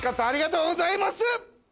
ありがとうございます！